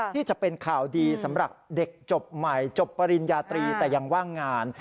ที่จะเป็นข่าวดีสำหรับเด็กจบใหม่จบปริญญาตรีแต่ยังว่างงาน